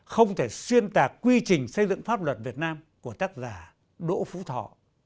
không thể xuyên tạc quy trình xây dựng pháp luật việt nam của tác giả đỗ phú thọ